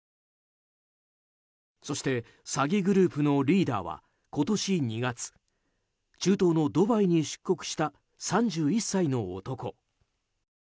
そして詐欺グループのリーダーは今年２月、中東のドバイに出国した３１歳の男。